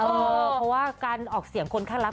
เพราะว่าการออกเสียงคนข้างรัก